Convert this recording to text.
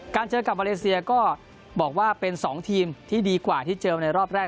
เจอกับมาเลเซียก็บอกว่าเป็น๒ทีมที่ดีกว่าที่เจอในรอบแรก